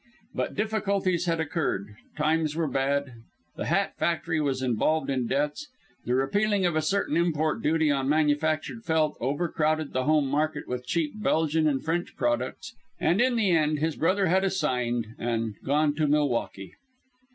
But difficulties had occurred, times were bad, the hat factory was involved in debts, the repealing of a certain import duty on manufactured felt overcrowded the home market with cheap Belgian and French products, and in the end his brother had assigned and gone to Milwaukee.